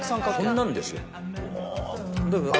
こんなんですよ。